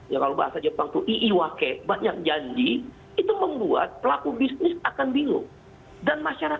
ya kalau bahasa jepang itu iiwake banyak janji itu membuat pelaku bisnis akan bingung dan masyarakat panik kelas menengah itu sederhana